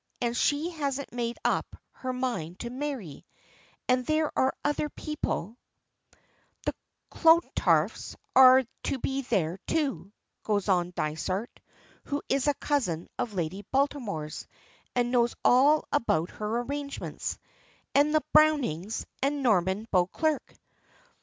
And she hasn't made up her mind to marry, and there are other people "The Clontarfs are to be there too," goes on Dysart, who is a cousin of Lady Baltimore's, and knows all about her arrangements; "and the Brownings, and Norman Beauclerk."